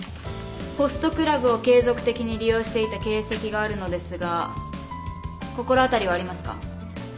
ホストクラブを継続的に利用していた形跡があるのですが心当たりはありますか？